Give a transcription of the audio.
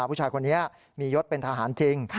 ผู้ชายคนนี้มียศเป็นทหารจริง